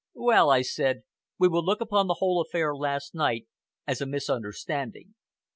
"Well," I said, "we will look upon the whole affair last night as a misunderstanding.